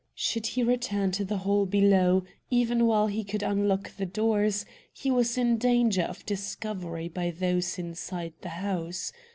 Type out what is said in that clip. Should he return to the hall below, even while he could unlock the doors, he was in danger of discovery by those inside the house.